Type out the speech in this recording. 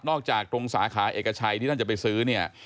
จากตรงสาขาเอกชัยที่ท่านจะไปซื้อเนี่ย